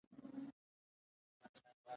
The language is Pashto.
د ایورېټ څو نړۍ تفسیر بل انتخاب دی.